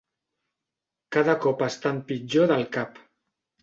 Cada cop estan pitjor del cap.